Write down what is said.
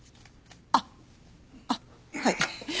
あっあっはい。